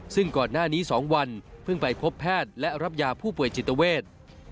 ซึ่งก่อนหน้านี้๒วันเพิ่งไปพบแพทย์และรับยาผู้ป่วยจิตเวท